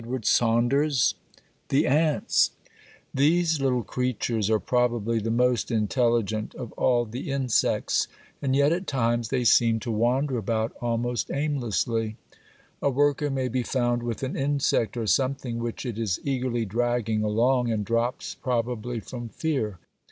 THE ANTS These little creatures are probably the most intelligent of all the insects and yet at times they seem to wander about almost aimlessly. A worker may be found with an insect or something which it is eagerly dragging along and drops probably from fear.